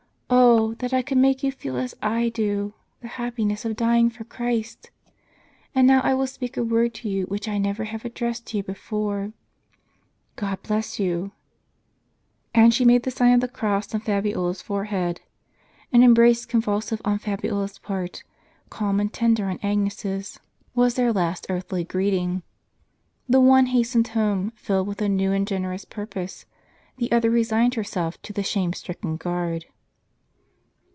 Oh, that I could make you feel, as I do, the happiness of dying for Christ ! And now I will speak a word to you which I never have addressed to you before, — God bless you !" And she made the sign of the Cross on Fabiola's forehead. An em brace, convulsive on Fabiola's part, calm and tender on Agnes's, was their last earthly greeting. The one hastened home, filled with a new and generous purpose; the other resigned herself to the shame stricken guard.